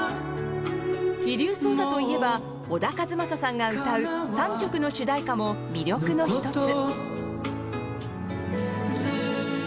「遺留捜査」といえば小田和正さんが歌う３曲の主題歌も魅力の１つ。